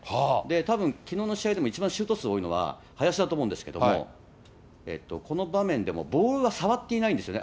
たぶん、きのうの試合でも一番、シュート数多いのは林だったと思うんですけど、この場面でもボールは触っていないんですよね。